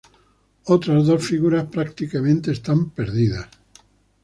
Otras dos figuras prácticamente están perdidas.